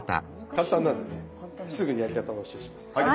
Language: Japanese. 簡単なんでねすぐにやり方をお教えします。